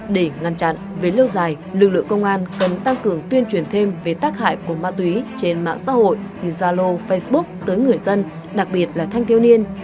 để ngăn chặn với lâu dài lực lượng công an cần tăng cường tuyên truyền thêm về tác hại của ma túy trên mạng xã hội như zalo facebook tới người dân đặc biệt là thanh thiếu niên